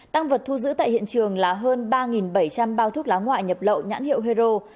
tăng vật thu giữ tại hiện trường là hơn ba bảy trăm linh bao thuốc lá ngoại nhập lậu nhãn hiệu hero